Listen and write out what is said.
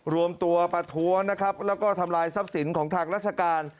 รวมตัวประท้วงนะครับแล้วก็ทำลายทรัพย์สินของทางราชการ